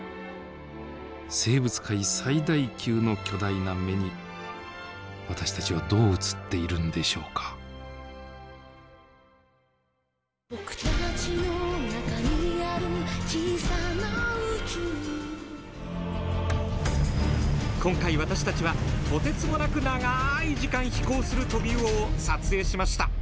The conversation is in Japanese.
生物界最大級の巨大な目に私たちはどう映っているんでしょうか今回私たちはとてつもなく長い時間飛行するトビウオを撮影しました。